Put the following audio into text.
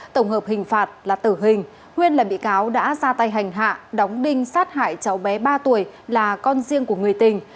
tổng hợp hình phạt là tử hình huyên là bị cáo đã ra tay hành hạ đóng đinh sát hại cháu bé ba tuổi là con riêng của người tình